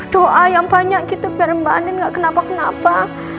doa yang banyak gitu biar mbak anin gak kenapa kenapa